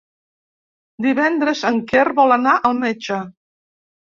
Divendres en Quer vol anar al metge.